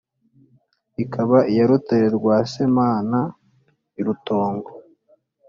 Ikaba iya Rutare rwa semana i Rutongo!